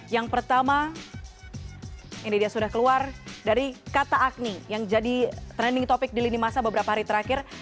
yang pertama ini dia sudah keluar dari kata agni yang jadi trending topic di lini masa beberapa hari terakhir